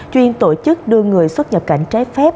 chuyên tổ chức đưa người xuất nhập cảnh trái phép